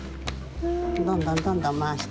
どんどんどんどんまわして。